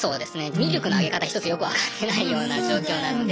ミルクのあげ方一つよく分かってないような状況なので。